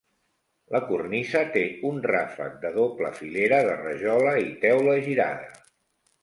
La cornisa té un ràfec de doble filera de rajola i teula girada.